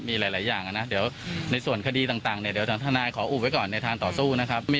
มีหลายอย่างนะเดี๋ยวในส่วนคดีต่างเนี่ยเดี๋ยวทางทนายขออุบไว้ก่อนในทางต่อสู้นะครับ